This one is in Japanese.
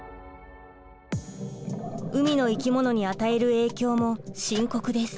海の生き物に与える影響も深刻です。